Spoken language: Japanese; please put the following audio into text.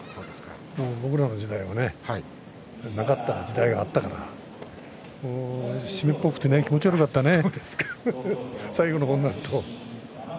僕らの時代はなかった時代があったから湿っぽくてね気持ち悪かったね最後の方になると。